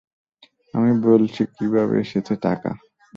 আমি বলছি কিভাবে এসেছে টাকা।